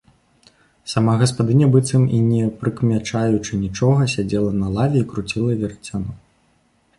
Сама гаспадыня, быццам і не прыкмячаючы нічога, сядзела на лаве і круціла верацяно.